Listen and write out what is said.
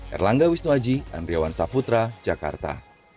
erlangga wisnuaji andriawan saputra jakarta